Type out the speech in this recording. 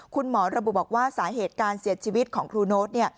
คุณหมอระบุบอกว่าสาเหตุการเสียชีวิตของครูโน๊ต